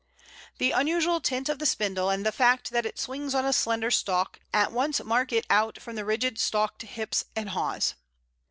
The unusual tint of the Spindle, and the fact that it swings on a slender stalk, at once mark it out from the rigid stalked hips and haws.